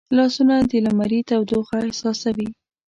لاسونه د لمري تودوخه احساسوي